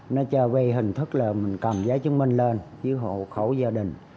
nó cho vay hình thức là mình cầm giá chứng minh lên với hộ khẩu gia đình